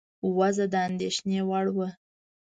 وضع د اندېښنې وړ وه.